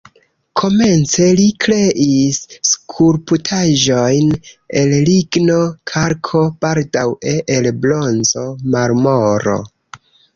Komence li kreis skulptaĵojn el ligno, kalko, baldaŭe el bronzo, marmoro.